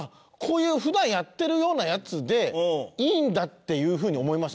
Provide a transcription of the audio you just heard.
こういう普段やってるようなやつでいいんだっていう風に思いました